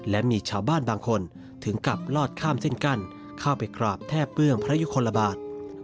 และมีชาวบ้านบางคนถึงกลับลอดข้ามเส้นกั้นเข้าไปกราบแทบเบื้องพระยุคลบาท